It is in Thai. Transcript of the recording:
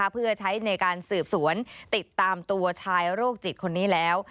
เพื่อใช้ในการสืบสวนติดตามตัวชายโรคจิตคนนี้แล้ว